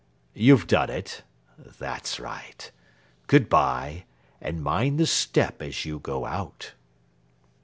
You've done it? That's right. Good bye, and mind the step as you go out."